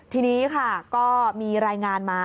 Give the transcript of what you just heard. ทีนี้ค่ะก็มีรายงานมา